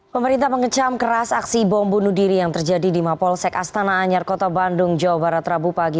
pemerintah mengecam keras aksi bom bunuh diri yang terjadi di mapolsek astana anyar kota bandung jawa barat rabu pagi